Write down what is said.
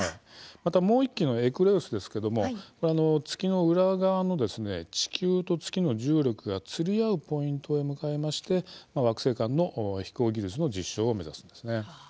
また、もう１機のエクレウスですけども月の裏側の地球と月の重力が釣り合うポイントへ向かいまして惑星間の飛行技術の実証を目指すんですね。